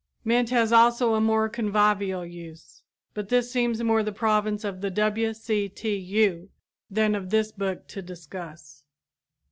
Mint has also a more convivial use, but this seems more the province of the W. C. T. U. than of this book to discuss.